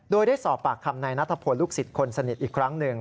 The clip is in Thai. โดยได้สอบปากคำนายนัทพลลูกศิษย์คนสนิทอีกครั้งหนึ่ง